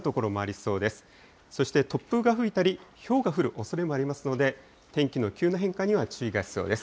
そして突風が吹いたり、ひょうが降るおそれもありますので、天気の急な変化には注意が必要です。